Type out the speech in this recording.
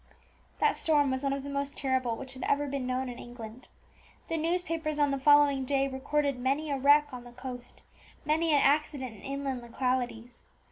That storm was one of the most terrible which had ever been known in England. The newspapers on the following day recorded many a wreck on the coast, many an accident in inland localities.